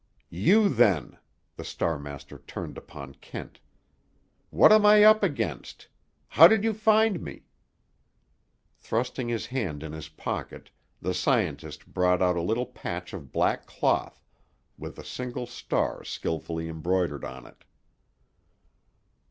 "You, then." The Star master turned upon Kent. "What am I up against? How did you find me?" Thrusting his hand in his pocket the scientist brought out a little patch of black cloth, with a single star skilfully embroidered on it.